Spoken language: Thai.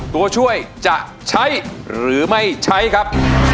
ตัวช่วยจะใช้หรือไม่ใช้ครับ